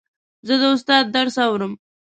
زه د استاد درس اورم.